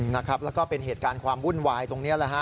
นะครับแล้วก็เป็นเหตุการณ์ความวุ่นวายตรงนี้แหละฮะ